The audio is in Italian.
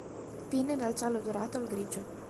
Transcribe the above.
Pinne dal giallo dorato al grigio.